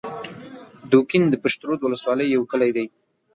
دوکین د پشترود د ولسوالۍ یو کلی دی